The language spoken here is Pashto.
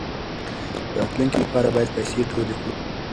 د راتلونکي لپاره باید پیسې ټولې کړو.